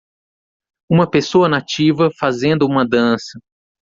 Uma pessoa nativa fazendo uma dança.